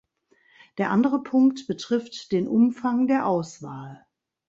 Der andere Punkt betrifft den Umfang der Auswahl.